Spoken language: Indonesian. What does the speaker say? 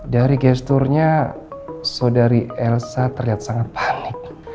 dari gesturnya saudari elsa terlihat sangat panik